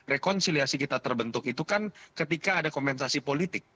reconciliasi kita terbentuk itu kan ketika ada komensasi politik